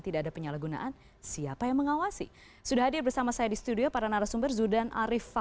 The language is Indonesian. terima kasih atas ralatnya